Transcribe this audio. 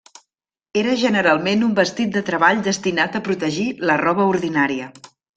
Era generalment un vestit de treball destinat a protegir la roba ordinària.